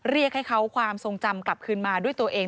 เรียกให้เขาความทรงจำกลับคืนมาด้วยตัวเอง